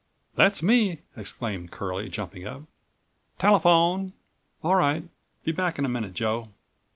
"That's me," exclaimed Curlie, jumping up. "Telephone." "All right. Be back in a minute, Joe."